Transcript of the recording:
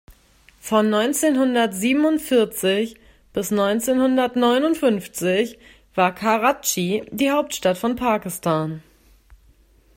Von neunzehnhundertsiebenundvierzig bis neunzehnhundertneunundfünfzig war Karatschi die Hauptstadt von Pakistan.